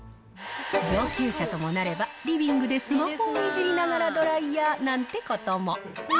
上級者ともなれば、リビングでスマホをいじりながら、ドライヤーなんてことも。